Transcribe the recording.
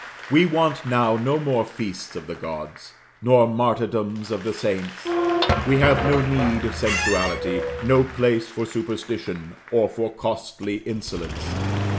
We want now no more feasts of the gods, nor martyrdoms of the saints; we have no need of sensuality, no place for superstition, or for costly insolence.